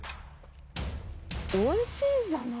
美味しいじゃない。